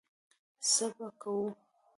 څه به کوو.